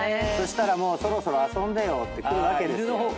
そしたらそろそろ遊んでよって来るわけですよ。